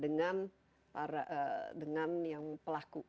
dengan yang pelaku